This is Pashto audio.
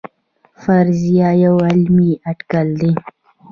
فرضیه یو علمي اټکل دی